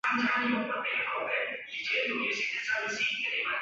嗣后各省官电归邮传部。